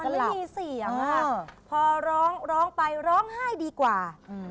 ไม่มีเสียงค่ะพอร้องร้องไปร้องไห้ดีกว่า